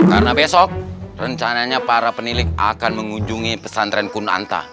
karena besok rencananya para penilik akan mengunjungi pesantren kunanta